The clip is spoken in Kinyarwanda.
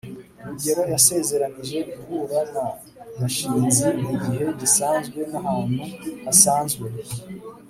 rugeyo yasezeranije guhura na gashinzi mugihe gisanzwe n'ahantu hasanzwe